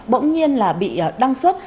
bỗng nhiên là bị đăng xuất